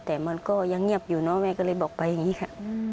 แต่มันก็ยังเงียบอยู่เนอะแม่ก็เลยบอกไปอย่างนี้ค่ะ